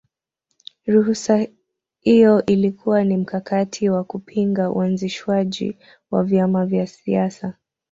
Ruhusa iyo ilikuwa ni mkakati wa kupinga uanzishwaji wa vyama vya siasa